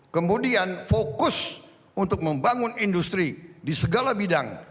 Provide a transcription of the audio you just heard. kemudian fokus untuk membangun industri di segala bidang